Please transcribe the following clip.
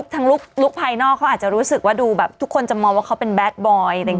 ทั้งลุคไภนอกเขาอาจจะรู้สึกว่าทุกคนจะมองว่าเขาเป็นแบทบอย